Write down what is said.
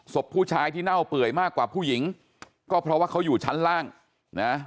ศพผู้ชายที่เน่าเปื่อยมากกว่าผู้หญิงก็เพราะว่าเขาอยู่ชั้นล่างนะ